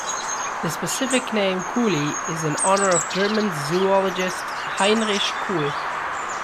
The specific name, "kuhli", is in honor of German zoologist Heinrich Kuhl.